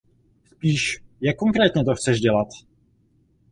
Spíš, jak konkrétně to chceš dělat?